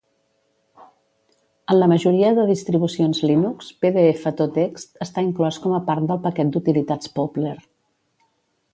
En la majoria de distribucions Linux, pdftotext està inclòs com a part del paquet d'utilitats Poppler.